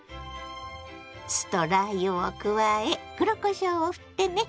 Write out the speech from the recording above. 酢とラー油を加え黒こしょうをふってね！